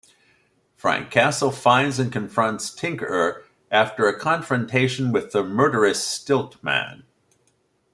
Frank Castle finds and confronts Tinkerer after a confrontation with the murderous Stilt-Man.